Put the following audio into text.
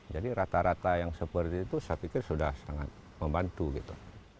jadi rata rata yang seperti itu saya pikir sudah sangat membantu